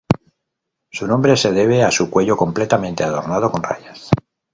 Su nombre se debe a su cuello completamente adornado con rayas.